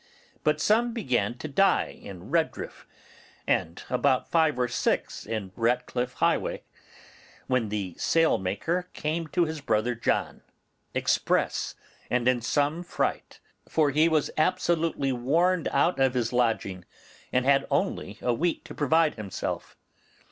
But some began to die in Redriff, and about five or six in Ratcliff Highway, when the sailmaker came to his brother John express, and in some fright; for he was absolutely warned out of his lodging, and had only a week to provide himself.